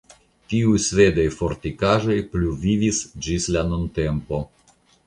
Tiuj svedaj fortikaĵoj pluvivis ĝis la nuntempo.